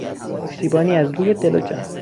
پشتیبانی از روی دل و جان